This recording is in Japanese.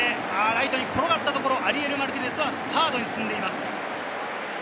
ライトに転がったところ、アリエル・マルティネスがサードに進んでいます。